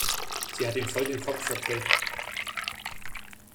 Sie hat ihm voll den Kopf verdreht.